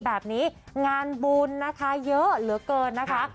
แบบนี้งานบุญนะคะเยอะเหลือเกินนะคะ